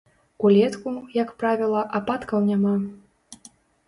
Улетку, як правіла, ападкаў няма.